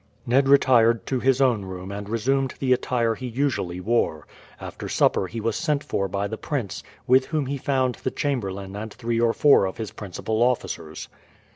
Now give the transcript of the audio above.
Ned retired to his own room and resumed the attire he usually wore. After supper he was sent for by the prince, with whom he found the chamberlain and three or four of his principal officers.